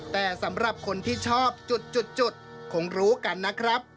แต่สำหรับคนที่ชอบจุดคงรู้กันนะครับ